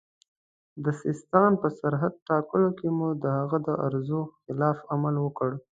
د سیستان په سرحد ټاکلو کې مو د هغه د ارزو خلاف عمل وکړ.